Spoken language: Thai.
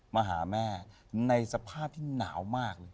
มาหาแม่ในสภาพที่หนาวมากเลย